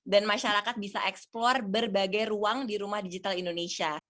dan masyarakat bisa eksplor berbagai ruang di rumah digital indonesia